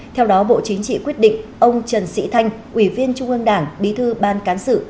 theo đó bộ chính trị quyết định ông trần sĩ thanh ủy viên trung ương đảng bí thư ban cán sự